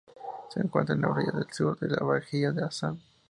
Se encuentra en la orilla sur de la bahía de Asan.